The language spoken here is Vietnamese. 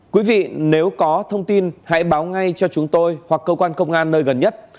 quý vị nếu có thông tin hãy báo ngay cho chúng tôi hoặc cơ quan công an nơi gần nhất